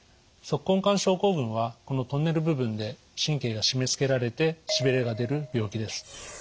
足根管症候群はこのトンネル部分で神経が締めつけられてしびれが出る病気です。